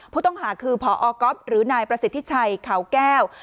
ผู้ต้องหาคือพอก๊อฟหรือนายประสิทธิชัยเขาแก้ว